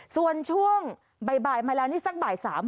ส่วนช่วงบ่ายมาแล้วนี่สักบ่าย๓